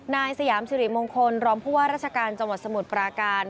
นายสยามสิริมงคลรองผู้ว่าราชการจังหวัดสมุทรปราการ